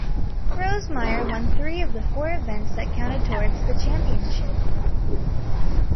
Rosemeyer won three of the four events that counted towards the championship.